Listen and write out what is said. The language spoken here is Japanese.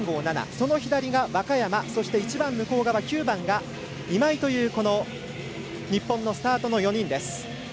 その左が若山一番向こう側９番が今井という日本のスタートの４人です。